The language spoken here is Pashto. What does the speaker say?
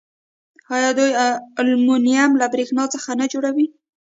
آیا دوی المونیم له بریښنا څخه نه جوړوي؟